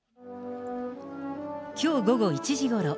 きょう午後１時ごろ。